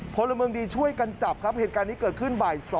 พลเมิงดีช่วยกันจับครับเหตุการณ์นี้เกิดขึ้นบ่าย๒กว่านี้เองนะครับ